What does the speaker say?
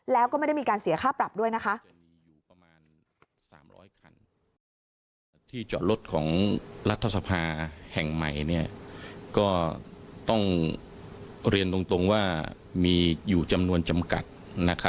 แล้วก็ไม่ได้มีการเสียค่าปรับด้วยนะคะ